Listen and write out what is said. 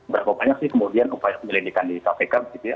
berapa banyak sih kemudian upaya penyelidikan di kpk begitu ya